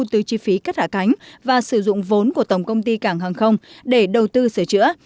từ chi phí cất hạ cánh và sử dụng vốn của tổng công ty cảng hàng không để đầu tư sửa chữa